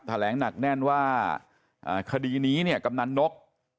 แหลงหนักแน่นว่าคดีนี้เนี่ยกำนันนก